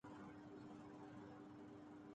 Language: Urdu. اس ہفتے میں مجھے بہت کچھ کرنا ہے۔